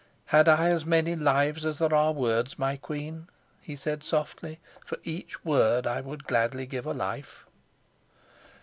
"Had I as many lives as there are words, my queen," he said softly, "for each word I would gladly give a life."